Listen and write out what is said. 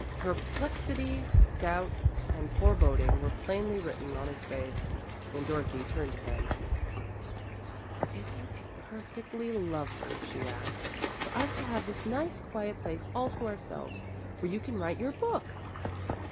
Perplexity, doubt, and foreboding were plainly written on his face, when Dorothy turned to him. "Isn't it perfectly lovely," she asked, "for us to have this nice, quiet place all to ourselves, where you can write your book?"